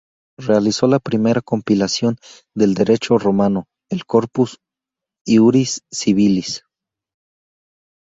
Realizó la primera compilación del derecho romano, el Corpus iuris civilis.